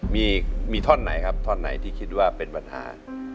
มีท่อนไหนครับท่อนไหนที่คิดว่าเป็นปัญหา